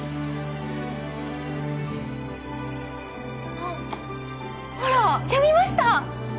あっほらやみました。